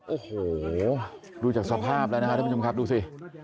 โอ้โหดูจากสภาพแล้วนะครับท่านผู้ชมครับดูสิ